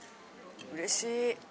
うれしい。